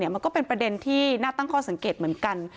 มันก็เป็นประเด็นที่น่าตั้งข้อสังเกตเหมือนกัน